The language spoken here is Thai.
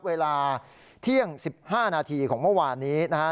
เวลาเที่ยง๑๕นาทีของเมื่อวานนี้นะฮะ